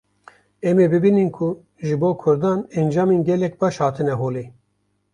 em ê bibînin ku ji bo Kurdan encamên gelek baş hatine holê